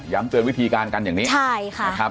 ย้ำเตือนวิธีการงั้นอย่างนี้ใช่ค่ะ